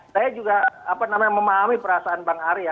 saya juga memahami perasaan bang arya